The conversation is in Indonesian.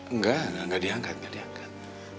enggak enggak diangkat nggak diangkat